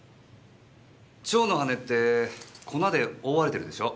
蝶の羽って粉で覆われてるでしょ？